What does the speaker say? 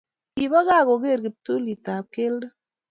kiba gaa kogeer kiptulitab keldo